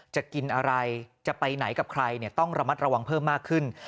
จะกินอะไรจะไปไหนกับใครต้องระมัดระวังเพิ่มมากขึ้น